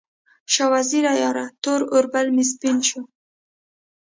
شاه وزیره یاره، تور اوربل مې سپین شو